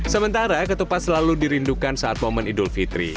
sementara ketupat selalu dirindukan saat momen idul fitri